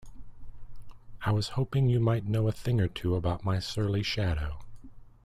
I was hoping you might know a thing or two about my surly shadow?